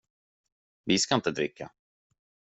Vi ska inte dricka.